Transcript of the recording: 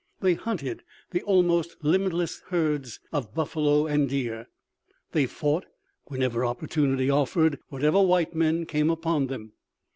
They hunted the almost limitless herds of buffalo and deer. They fought, whenever opportunity offered, whatever white men came upon them.